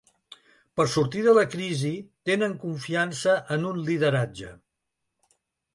Per sortir de la crisi, tenen confiança en un lideratge.